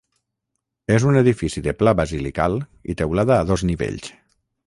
És un edifici de pla basilical i teulada a dos nivells.